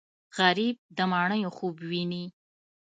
غریب د ماڼیو خوب ویني